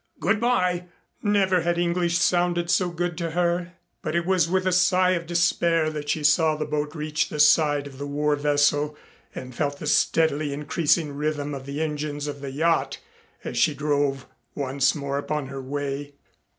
Good by." Never had English sounded so good to her. But it was with a sigh of despair that she saw the boat reach the side of the war vessel and felt the steadily increasing rhythm of the engines of the yacht as she drove once more upon her way.